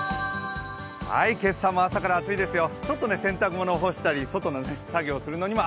今朝も朝から暑いですよ。